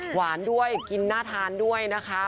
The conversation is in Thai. หวานด้วยกินน่าทานด้วยนะคะ